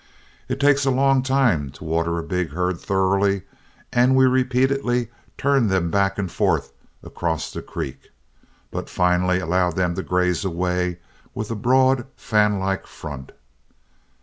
It takes a long time to water a big herd thoroughly, and we repeatedly turned them back and forth across the creek, but finally allowed them to graze away with a broad, fan like front.